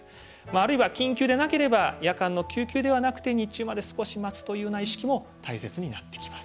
あるいは緊急でなければ夜間の救急ではなくて日中まで少し待つというような意識も大切になってきます。